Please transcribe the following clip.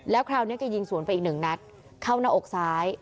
แล้วคราวนี้แกยิงสวนไปอีกหนึ่งนัดเข้าหน้าอกซ้าย